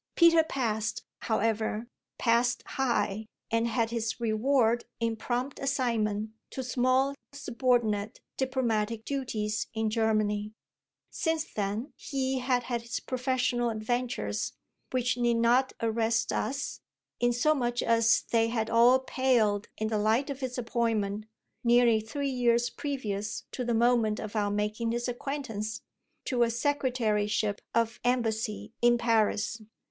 Peter passed, however, passed high, and had his reward in prompt assignment to small, subordinate, diplomatic duties in Germany. Since then he had had his professional adventures, which need not arrest us, inasmuch as they had all paled in the light of his appointment, nearly three years previous to the moment of our making his acquaintance, to a secretaryship of embassy in Paris.